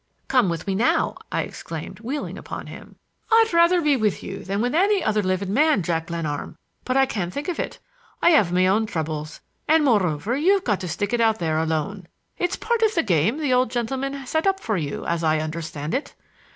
"Come with me now!" I exclaimed, wheeling upon him. "I'd rather be with you than with any other living man, Jack Glenarm, but I can't think of it. I have my own troubles; and, moreover, you've got to stick it out there alone. It's part of the game the old gentleman set up for you, as I understand it.